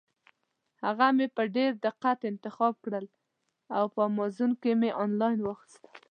هغه مې په ډېر دقت انتخاب کړل او په امازان کې مې انلاین واخیستل.